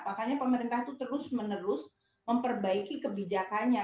makanya pemerintah itu terus menerus memperbaiki kebijakannya